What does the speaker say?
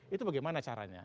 itu bagaimana caranya